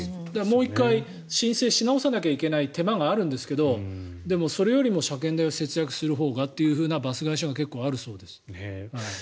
もう一回申請し直さなきゃいけない手間があるんですがそれよりも車検代を節約するほうがというバス会社が結構あるそうです。